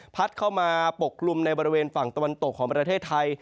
เข้ามาปกกลุ่มในบริเวณฝั่งตะวันตกของประเทศไทย